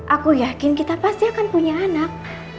aku yakin kita pasti akan punya anak